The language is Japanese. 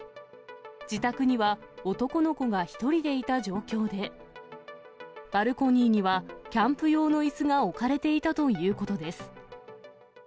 自宅には、男の子が１人でいた状況で、バルコニーには、キャンプ用のいすが置かれていたということです。